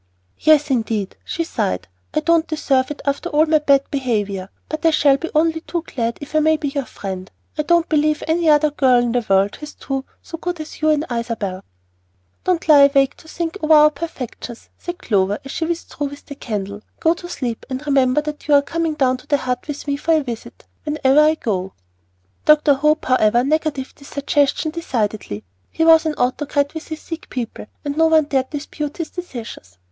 "Yes, indeed," she sighed. "I don't deserve it after my bad behavior, but I shall be only too glad if I may be your friend. I don't believe any other girl in the world has two so good as you and Isabel." "Don't lie awake to think over our perfections," said Clover, as she withdrew with the candle. "Go to sleep, and remember that you are coming down to the Hut with me for a visit, whenever I go." Dr. Hope, however, negatived this suggestion decidedly. He was an autocrat with his sick people, and no one dared dispute his decisions.